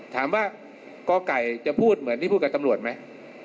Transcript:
ถามว่ากไก่จะพูดเหมือนที่พูดกับตำรวจไหม